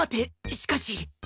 しかし